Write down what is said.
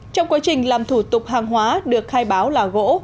trong quá trình làm thủ tục hàng hóa được khai báo là gỗ